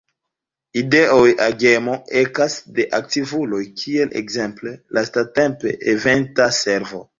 Ideoj, agemo ekas de aktivuloj kiel ekzemple lastatempe Eventa Servo.